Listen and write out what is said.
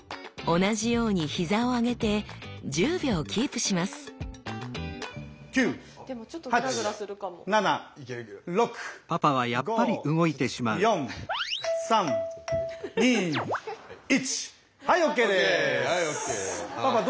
同じように膝を上げて１０秒キープします９８７６５４３２１。